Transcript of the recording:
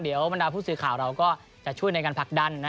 เดี๋ยวบรรดาผู้สื่อข่าวเราก็จะช่วยในการผลักดันนะ